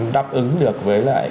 đáp ứng được với lại